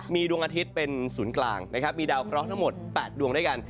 มีดวงอาทิตย์เป็นศูนย์กลางนะครับมีดาวเคราะห์ทั้งหมด๘ดวงด้วยกัน